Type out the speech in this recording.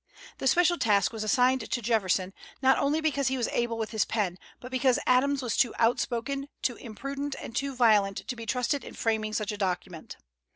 The special task was assigned to Jefferson, not only because he was able with his pen, but because Adams was too outspoken, too imprudent, and too violent to be trusted in framing such a document.